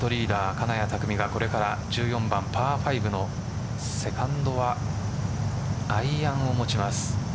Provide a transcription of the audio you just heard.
金谷拓実がこれから１４番パー５のセカンドはアイアンを持ちます。